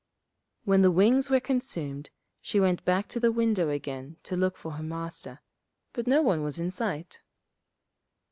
When the wings were consumed she went back to the window again to look for her Master, but no one was in sight.